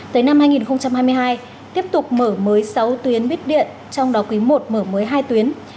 tới năm hai nghìn hai mươi hai tiếp tục mở mới sáu tuyến buýt điện trong đó quý i mở mới hai tuyến